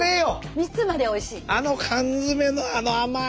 蜜までおいしい。